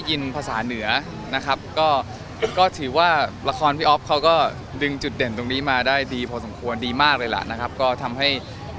กินภาษาเหนือนะครับก็ก็ถือว่าระครพี่อ๊อกเขาก็ดึงจุดเด่นตรงนี้มาได้